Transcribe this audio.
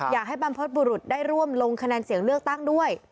บรรพบุรุษได้ร่วมลงคะแนนเสียงเลือกตั้งด้วย